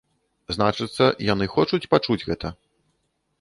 Значыцца, яны хочуць пачуць гэта.